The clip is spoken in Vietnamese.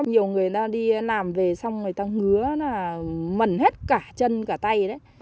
nhiều người ta đi làm về xong người ta hứa là mẩn hết cả chân cả tay đấy